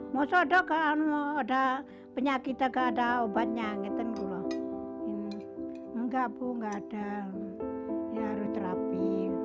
masa dulu tidak ada obatnya tidak ada terapi